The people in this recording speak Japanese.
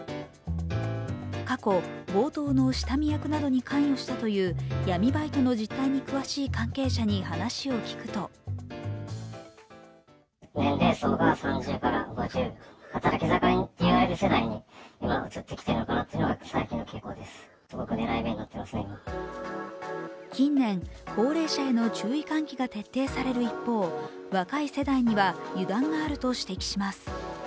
過去、強盗の下見役などに関与したという闇バイトの実態に詳しい関係者に話を聞くと近年、高齢者への注意喚起が徹底される一方、若い世代には油断があると指摘します。